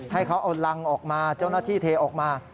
ให้เขาเอารังออกมาเจ้าหน้าที่เทออกมา